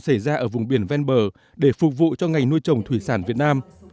xảy ra ở vùng biển venber để phục vụ cho ngành nuôi trồng thủy sản việt nam